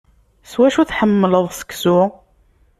S wacu i tḥemmleḍ seksu?